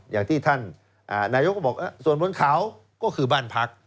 อย่างที่ท่านนายกก็บอกส่วนบนเขาก็คือบ้านพัก